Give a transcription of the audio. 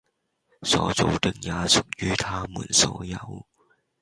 所造的也屬於它們所有